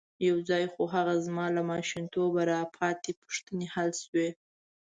یو ځای خو هغه زما له ماشومتوبه را پاتې پوښتنې حل شوې.